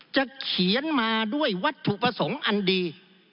เขียนมาด้วยวัตถุประสงค์อันดี